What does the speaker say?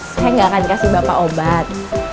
saya nggak akan kasih bapak obat